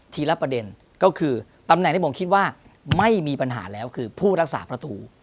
ละประเด็นก็คือตำแหน่งที่ผมคิดว่าไม่มีปัญหาแล้วคือผู้รักษาประตู